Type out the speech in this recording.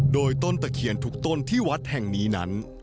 โดยต้นตะเคียนทุกต้นที่วัดแห่งนี้นั้น